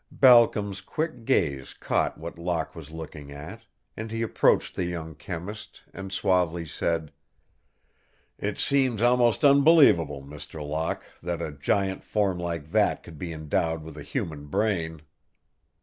Balcom's quick gaze caught what Locke was looking at, and he approached the young chemist and sauvely said: "It seems almost unbelievable, Mr. Locke, that a giant form like that could be endowed with a human brain."